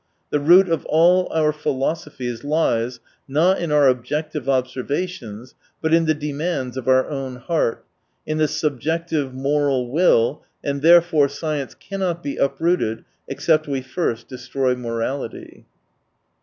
The root of all our philosophies lies, not in our objective observations, but in the demands of our own heart, in the subjective, moral will, and therefore science cannot be uprooted except we first destroy morality.